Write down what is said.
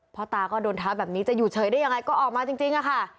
พ่อตาก็โดนท้าแบบนี้จะอยู่เฉยได้ยังไงก็ออกมาจริงอะค่ะ